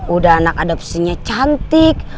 udah anak adaptinya cantik